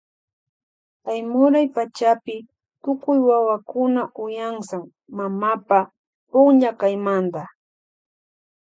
Aymuray pachapi tukuy wawakuna uyansan mamapa punlla kaymanta.